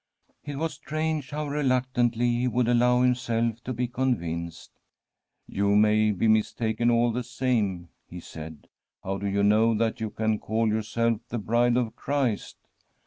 It was strange how reluctantly he would allow himself to be convinced. ' You may be mistaken all the same,' he said. * How do you know that you can call yourself the Bride of Christ